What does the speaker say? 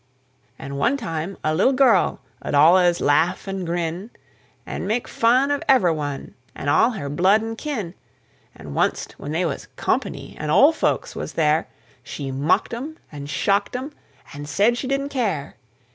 An' one time a little girl 'ud allus laugh an' grin, An' make fun of ever' one, an' all her blood an' kin; An' onc't when they was "company," an' ole folks was there, She mocked 'em an' shocked 'em, an' said she didn't care!